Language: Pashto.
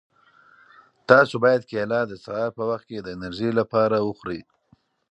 تاسو باید کیله د سهار په وخت کې د انرژۍ لپاره وخورئ.